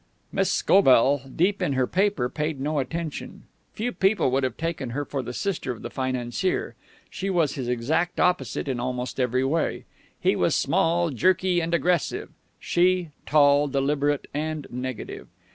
Miss Scobell, deep in her paper, paid no attention. Few people would have taken her for the sister of the financier. She was his exact opposite in almost every way. He was small, jerky and aggressive; she, tall, deliberate and negative.